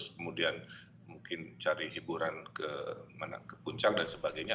kemudian mungkin cari hiburan ke puncak dan sebagainya